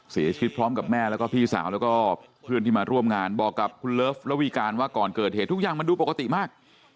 เสียชีวิตพร้อมกับแม่แล้วก็พี่สาวแล้วก็เพื่อนที่มาร่วมงานบอกกับคุณเลิฟระวีการว่าก่อนเกิดเหตุทุกอย่างมันดูปกติมาก